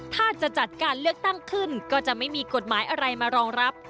ถ้าจะจัดการเลือกตั้งขึ้นก็จะไม่มีกฎหมายอะไรมารองรับ